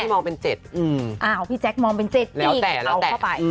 พี่มองเป็นเจ็ดอืมอ้าวพี่แจ็คมองเป็นเจ็ดแล้วแต่แล้วแต่